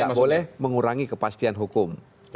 tidak boleh mengurangi kepastian hukum